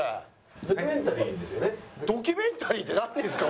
ドキュメンタリーってなんですか？